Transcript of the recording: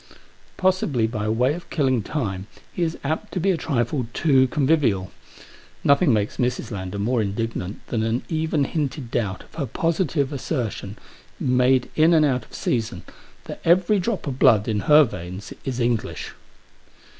Possibly by way of killing time he is apt to be a trifle too convivial. Nothing makes Mrs. Lander more indignant than an even hinted doubt of her positive assertion, made in and out of season, that every drop of blood in her veins is English.